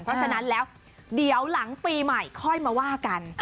เพราะฉะนั้นแล้วเดี๋ยวหลังปีใหม่ค่อยมาว่ากัน